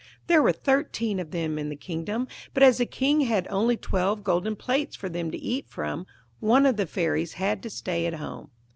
There were thirteen of them in the kingdom, but as the King had only twelve golden plates for them to eat from, one of the fairies had to stay at home.